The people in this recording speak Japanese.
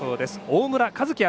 大村和輝